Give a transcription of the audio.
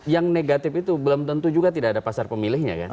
yang negatif itu belum tentu juga tidak ada pasar pemilihnya kan